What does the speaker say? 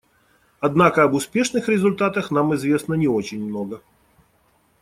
Однако об успешных результатах нам известно не очень много.